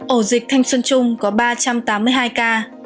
ổ dịch thanh xuân trung có ba trăm tám mươi hai ca